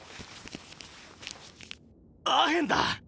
アヘンだ！